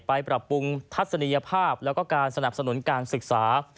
ปรับปรุงทัศนียภาพแล้วก็การสนับสนุนการศึกษา